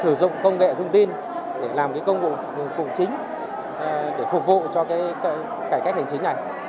sử dụng công nghệ thông tin để làm cái công cụ chính để phục vụ cho cải cách hành chính này